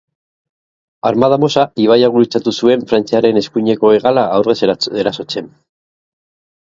Armada Mosa ibaia gurutzatu zuen frantziarren eskuineko hegala aurrez erasotzen.